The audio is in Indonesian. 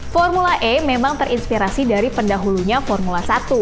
formula e memang terinspirasi dari pendahulunya formula satu